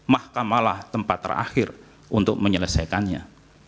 mahkamahlah tempat terakhir untuk menyelesaikannya